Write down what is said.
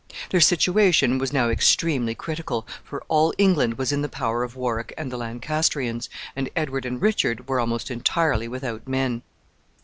Their situation was now extremely critical, for all England was in the power of Warwick and the Lancastrians, and Edward and Richard were almost entirely without men.